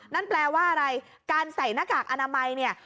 นั่นแปลว่าอะไรการใส่หน้ากากอนามัยเนี่ย